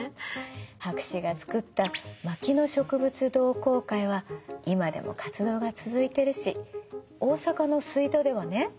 博士が作った牧野植物同好会は今でも活動が続いてるし大阪の吹田ではね